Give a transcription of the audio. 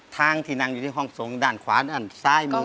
ทางที่นั่งอยู่ที่ห้องทรงด้านขวาด้านซ้ายมือ